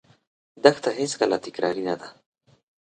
دښته هېڅکله تکراري نه ده.